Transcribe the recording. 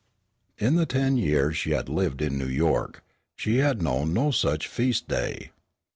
In the ten years she had lived in New York, she had known no such feast day.